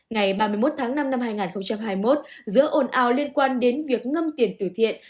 ngày ba mươi một tháng năm năm hai nghìn hai mươi một giữa ồn ào liên quan đến việc ngâm tiền tử thiện